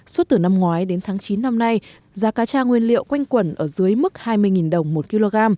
suốt từ năm ngoái đến tháng chín năm nay giá cá tra nguyên liệu quanh quẩn ở dưới mức hai mươi đồng một kg